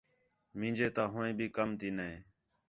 مینجے تا ہوئیں بھی کم تی نے